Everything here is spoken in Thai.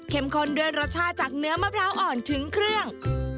ข้นด้วยรสชาติจากเนื้อมะพร้าวอ่อนถึงเครื่อง